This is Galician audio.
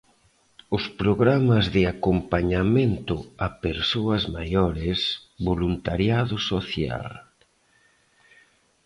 Os programas de acompañamento a persoas maiores, voluntariado social.